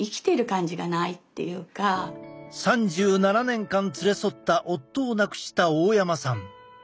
３７年間連れ添った夫を亡くした大山さん。